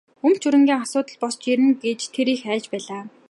Өмч хөрөнгийн асуудал босож ирнэ гэж тэр их айж байлаа.